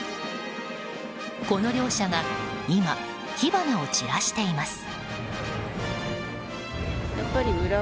この両者が今火花を散らしています。